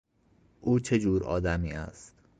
او چه جور آدمی است؟